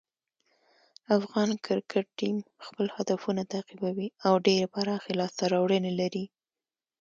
افغان کرکټ ټیم خپل هدفونه تعقیبوي او ډېرې پراخې لاسته راوړنې لري.